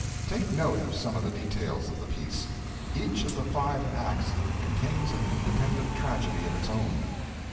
Take note of some of the details of the piece. Each of the five acts contains an independent tragedy of its own.